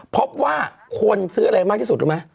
พบว่าคนซื้ออะไรมากที่สุดรู้ไหม